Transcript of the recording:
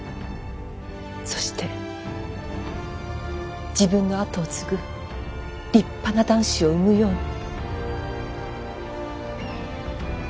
そして自分の跡を継ぐ立派な男子を産むように。